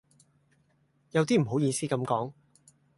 有啲唔好意思咁講